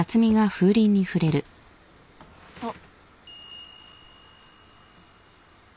そう。